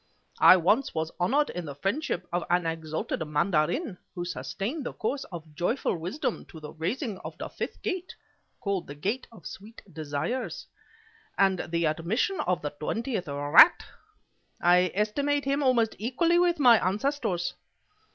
I once was honored in the friendship of an exalted mandarin who sustained the course of joyful Wisdom to the raising of the Fifth Gate (called the Gate of Sweet Desires) and the admission of the twentieth rat. I esteem him almost equally with my ancestors.